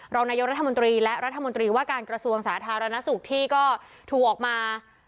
รองนายกราธมนตรีและกราธมนตรีว่าการกระทรวงสาธารณสุขฝั่งที่ที่ก็ถูอกมา